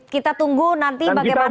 kita tunggu nanti bagaimana